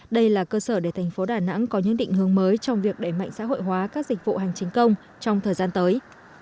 đây là cơ sở để thành phố đà nẵng có những định hướng mới trong việc đẩy mạnh xã hội hóa các dịch vụ hành chính công trong thời gian tới